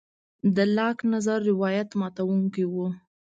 د لاک نظر روایت ماتوونکی و.